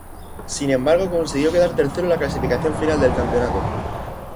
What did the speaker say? Sin embargo consiguió quedar tercero en la clasificación final del campeonato.